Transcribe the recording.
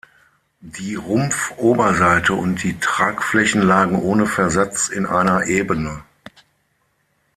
Die Rumpfoberseite und die Tragflächen lagen ohne Versatz in einer Ebene.